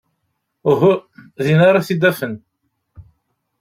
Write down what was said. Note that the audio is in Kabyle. Uhu. Din ara t-id-afen.